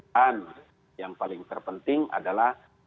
dan yang paling terpenting adalah